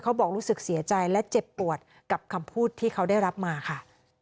บอกรู้สึกเสียใจและเจ็บปวดกับคำพูดที่เขาได้รับมาค่ะ